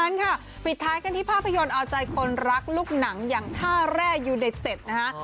นั้นค่ะปิดท้ายกันที่ภาพยนตร์เอาใจคนรักลูกหนังอย่างท่าแร่ยูไนเต็ดนะคะ